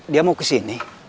dia mau ke sini